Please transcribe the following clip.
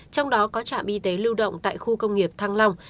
trong đó có trạm y tế lưu động tại khu công nghiệp thăng long